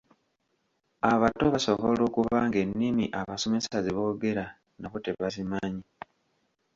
Abato basobola okuba ng'ennimi abasomesa ze boogera nabo tebazimanyi.